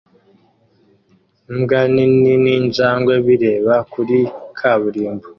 Imbwa nini ninjangwe bireba kuri kaburimbo